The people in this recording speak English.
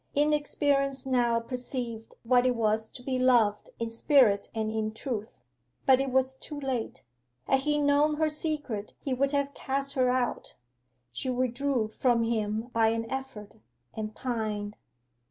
Inexperience now perceived what it was to be loved in spirit and in truth! But it was too late. Had he known her secret he would have cast her out. She withdrew from him by an effort, and pined.